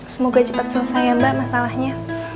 semoga cepat selesai ya mbak masalahnya